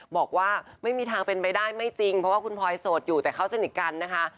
บอกว่าไม่มีทางเป็นไปได้ไม่จริงเพราะว่าคุณพลอยโสดอยู่แต่เขาสนิทกันนะคะ